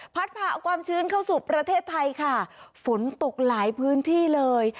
ผ่าเอาความชื้นเข้าสู่ประเทศไทยค่ะฝนตกหลายพื้นที่เลย